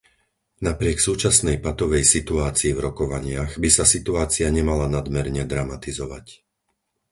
Napriek súčasnej patovej situácii v rokovaniach by sa situácia nemala nadmerne dramatizovať.